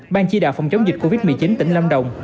ban chỉ đạo phòng chống dịch covid một mươi chín tỉnh lâm đồng